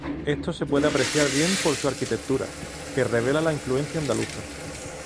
Esto se puede apreciar bien por su arquitectura, que revela la influencia andaluza.